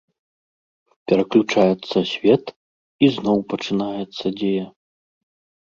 Пераключаецца свет, і зноў пачынаецца дзея.